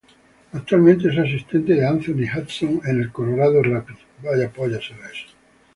Actualmente es asistente de Anthony Hudson en el Colorado Rapids.